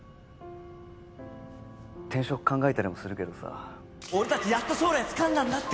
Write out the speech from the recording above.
転職考えたりもするけどさ俺達やっと将来つかんだんだって